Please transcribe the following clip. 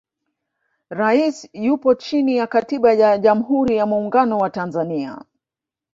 rais yupo chini ya katiba ya jamhuri ya muungano wa tanzania